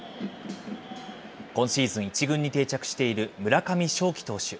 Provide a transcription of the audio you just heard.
今シーズン１軍に定着している村上頌樹投手。